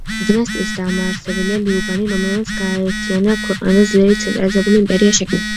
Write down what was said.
დინასტიის დამაარსებელია ლიუ ბანი, რომელმაც გააერთიანა ქვეყანა და ძლიერი ცენტრალიზებული იმპერია შექმნა.